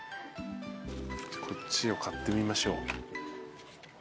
こっちを買ってみましょう。